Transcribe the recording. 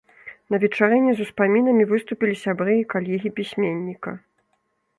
На вечарыне з успамінамі выступілі сябры і калегі пісьменніка.